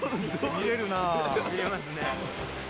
見れますね。